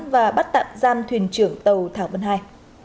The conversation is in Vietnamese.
và bắt tạm giam thuyền trưởng tàu thảo vân ii